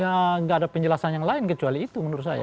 ya nggak ada penjelasan yang lain kecuali itu menurut saya